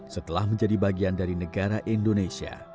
setelah menjadi bagian dari negara indonesia